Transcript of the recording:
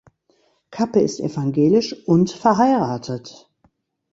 Kappe ist evangelisch und verheiratet.